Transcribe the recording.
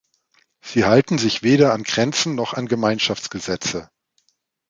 Sie halten sich weder an Grenzen noch an Gemeinschaftsgesetze.